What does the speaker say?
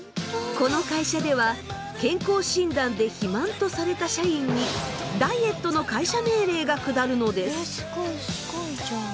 この会社では健康診断で肥満とされた社員にダイエットの会社命令が下るのです。